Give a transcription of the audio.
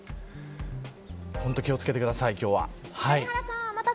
本当に気を付けてください、今日は。